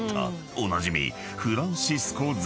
［おなじみ］